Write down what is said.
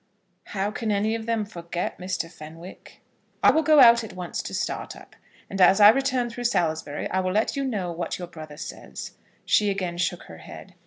"How can any of them forget, Mr. Fenwick?" "I will go out at once to Startup, and as I return through Salisbury I will let you know what your brother says." She again shook her head.